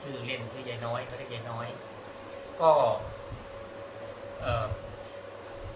หรือการโมพ่ม